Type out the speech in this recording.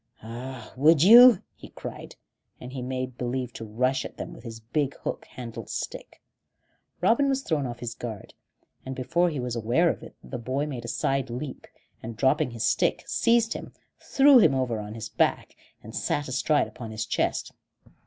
"Ah, would you?" he cried; and he made believe to rush at them with his big hook handled stick. Robin was thrown off his guard, and before he was aware of it the boy made a side leap and, dropping his stick, seized him, threw him over on his back, and sat astride upon his chest.